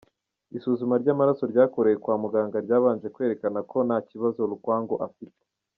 Isuzuma ry’amaraso ryakorewe kwa muganga ryabanje kwerekana ko nta kibazo Lukwango afite.